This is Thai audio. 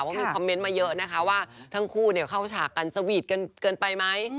เพราะมีคอมเมนต์มาเยอะนะคะว่าทั้งคู่เข้าฉากกันสวีทกันเกินไปไหม